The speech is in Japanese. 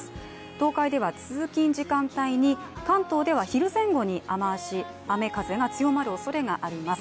東海では通勤時間帯に、関東では昼前後に雨足、雨・風が強まるおそれがあります。